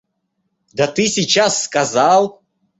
Да ты сейчас сказал...